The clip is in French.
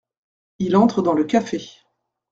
Il entre dans le café.